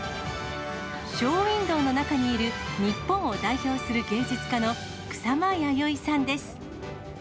ショーウィンドーの中にいる、日本を代表する芸術家の草間彌生さんです。